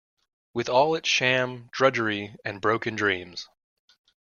With all its sham, drudgery and broken dreams